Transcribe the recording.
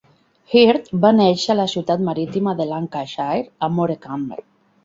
Hird va néixer a la ciutat marítima de Lancashire, a Morecambe.